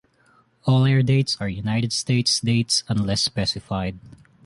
All airdates are United States dates unless specified.